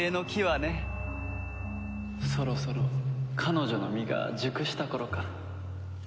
そろそろ彼女の実が熟した頃か。